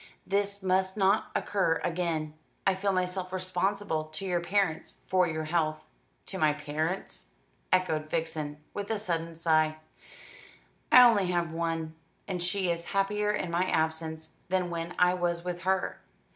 "This must not occur again. I feel myself responsible to your parents for your health." "To my parents," echoed Vixen, with a sudden sigh; "I have only one, and she is happier in my absence than when I was with her.